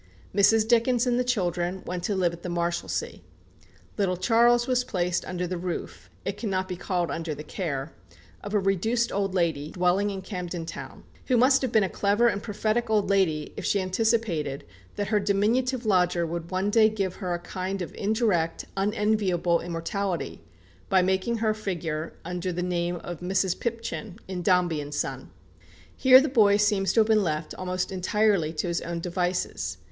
Mrs. Dickens and the children went to live at the Marshalsea. Little Charles was placed under the roof it cannot be called under the care of a "reduced old lady," dwelling in Camden Town, who must have been a clever and prophetic old lady if she anticipated that her diminutive lodger would one day give her a kind of indirect unenviable immortality by making her figure, under the name of "Mrs. Pipchin," in "Dombey and Son." Here the boy seems to have been left almost entirely to his own devices.